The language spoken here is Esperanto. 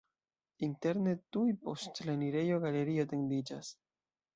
Interne tuj post la enirejo galerio etendiĝas.